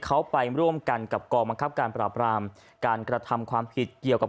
เขาไปร่วมกันกับกองบังคับการปราบรามการกระทำความผิดเกี่ยวกับ